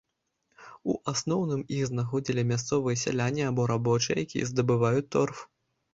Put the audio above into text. У асноўным іх знаходзілі мясцовыя сяляне або рабочыя, якія здабываюць торф.